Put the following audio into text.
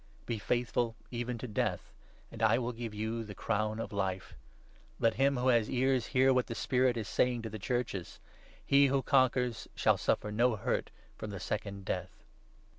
Be faithful even to death, and I will give you the Crown of Life. Let II him who has ears hear what the Spirit is saying to the Churches. He who conquers shall suffer no hurt from the Second Death."